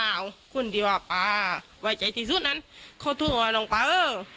มาแล้วคนที่ว่าป่าไว้ใจที่สุดนั้นเขาถูกว่าน้องป่าเอ้อ